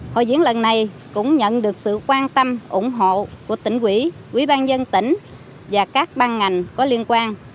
hội diễn lần này cũng nhận được sự quan tâm ủng hộ của tỉnh quỹ quỹ ban dân tỉnh và các ban ngành có liên quan